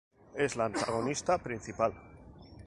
Es la antagonista principal.